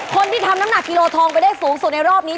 คนที่ทำน้ำหนักกิโลทองไปได้สูงสุดในรอบนี้